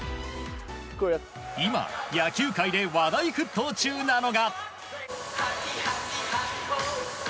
今、野球界で話題沸騰中なのが。